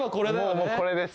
もうこれです。